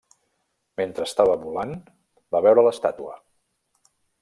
Mentre estava volant, va veure l'estàtua.